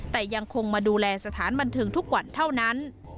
แต่ยังคงมาดูแลสถานบันเทิงทุกวันเท่านั้น